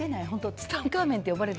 ツタンカーメンって呼ばれる。